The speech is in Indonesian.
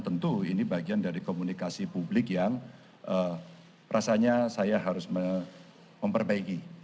tentu ini bagian dari komunikasi publik yang rasanya saya harus memperbaiki